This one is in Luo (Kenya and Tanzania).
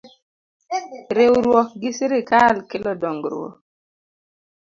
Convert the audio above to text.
Riwruok gi Sirkal kelo dongruok